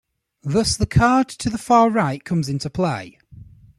Thus the card to the far right comes into play.